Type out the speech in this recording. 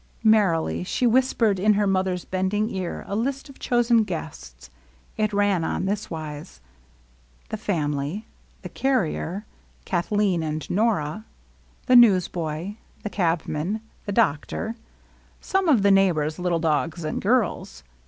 Merrily she whispered in her mother's bending ear a list of chosen guests. It ran on this wise :— LOVELINESS. 43 The family. , The carrier. Kathleen and Nora. The newsboy. The cabman. The doctor. Some of the neighbors' little dogs and girls.